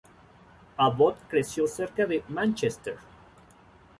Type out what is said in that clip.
Abbott creció cerca de Mánchester.